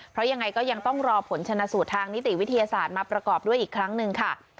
เพราะยังไงก็ยังต้องรอผลชนะสูตรทางนิติวิทยาศาสตร์มาประกอบด้วยอีกครั้งหนึ่งค่ะ